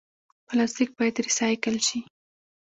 پلاستیک باید ریسایکل شي